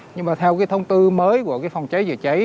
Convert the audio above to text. nhưng mà theo thông tư mới của phòng cháy chữa cháy